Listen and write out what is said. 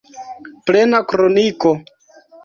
Plena kroniko.